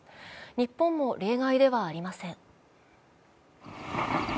日本も例外ではありません。